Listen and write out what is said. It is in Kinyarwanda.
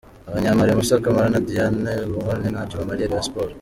Abanya-Mali Moussa Camara na Tidiane Kone ntacyo bamariye Rayon Sports .